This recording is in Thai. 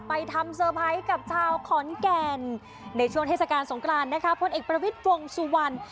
ไปทำเซอร์ไพรส์กับชาวขอนแก่นในช่วงเทศกาลสงกรานนะคะพลเอกประวิทย์วงสุวรรณ